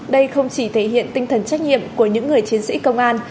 đây không chỉ thể hiện tinh thần trách nhiệm của những người chiến sĩ công an